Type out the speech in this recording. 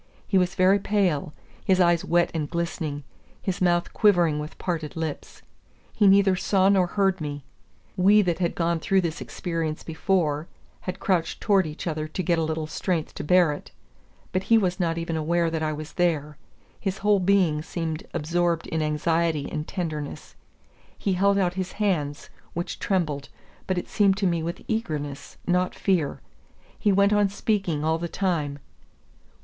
He was very pale, his eyes wet and glistening, his mouth quivering with parted lips. He neither saw nor heard me. We that had gone through this experience before, had crouched towards each other to get a little strength to bear it. But he was not even aware that I was there. His whole being seemed absorbed in anxiety and tenderness. He held out his hands, which trembled, but it seemed to me with eagerness, not fear. He went on speaking all the time.